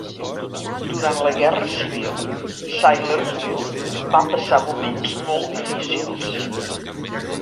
Durant la Guerra Civil, Salyersville va passar moments molt difícils.